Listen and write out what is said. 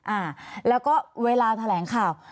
อ่าแล้วก็เวลาแถลงข่าว